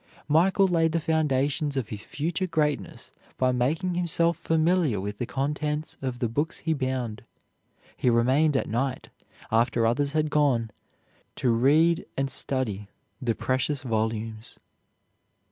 Michael laid the foundations of his future greatness by making himself familiar with the contents of the books he bound. He remained at night, after others had gone, to read and study the precious volumes.